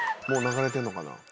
もう流れてんのかな。